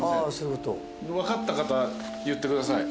分かった方言ってください。